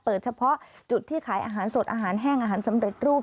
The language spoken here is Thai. เฉพาะจุดที่ขายอาหารสดอาหารแห้งอาหารสำเร็จรูป